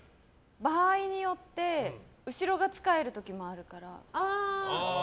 場合によって後ろがつかえる時もあるから。